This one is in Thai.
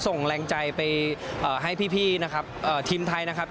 ส่งแรงใจไปเอ่อให้พี่พี่นะครับเอ่อทีมไทยนะครับ